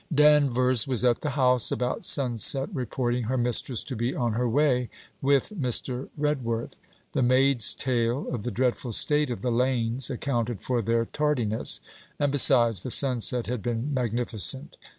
Danvers was at the house about sunset, reporting her mistress to be on her way, with Mr. Redworth. The maid's tale of the dreadful state of the lanes, accounted for their tardiness; and besides the sunset had been magnificent.